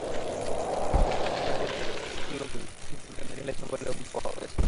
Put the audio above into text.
পূর্বশত্রুতার জের ধরে প্রতিপক্ষের লোকজন পাখিগুলোকে মেরে ফেলেছেন বলে অভিযোগ পাওয়া গেছে।